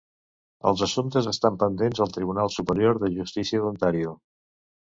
Els assumptes estan pendents al Tribunal Superior de Justícia d'Ontario.